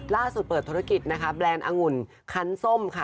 ล่าสุดเปิดธุรกิจนะคะแบรนด์อังุ่นคันส้มค่ะ